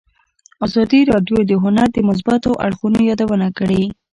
ازادي راډیو د هنر د مثبتو اړخونو یادونه کړې.